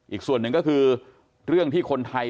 อีกส่วนหนึ่งก็คือเรื่องที่คนไทย